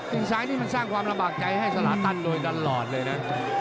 งซ้ายนี่มันสร้างความระบากใจให้สลาตันโดยตลอดเลยนะ